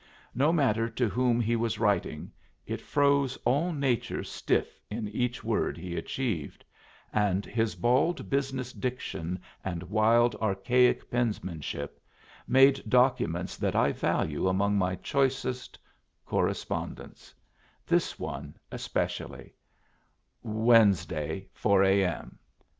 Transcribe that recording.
No matter to whom he was writing, it froze all nature stiff in each word he achieved; and his bald business diction and wild archaic penmanship made documents that I value among my choicest correspondence; this one, especially: "Wensday four a. m.